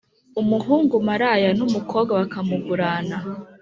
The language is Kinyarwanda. Umuhungu maraya n umukobwa bakamugurana